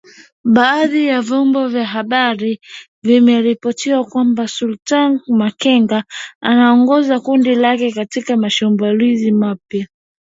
Baadhi ya vyombo vya habari vimeripoti kwamba Sultani Makenga anaongoza kundi lake katika mashambulizi mapya.